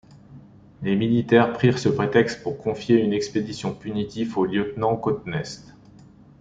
Les militaires prirent ce prétexte pour confier une expédition punitive au lieutenant Cottenest.